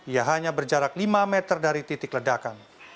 ia hanya berjarak lima meter dari titik ledakan